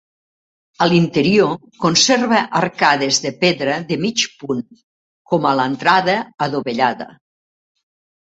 A l'interior conserva arcades de pedra de mig punt com a l'entrada adovellada.